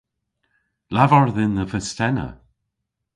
Lavar dhyn dhe fistena.